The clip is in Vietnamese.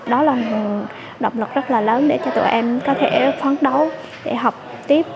đó là một động lực rất là lớn để cho tụi em có thể phán đấu để học tiếp